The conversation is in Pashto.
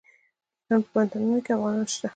د ایران په پوهنتونونو کې افغانان شته.